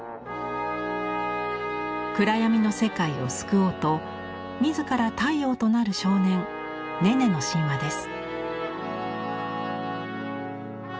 暗闇の世界を救おうと自ら太陽となる少年ネネの神話です。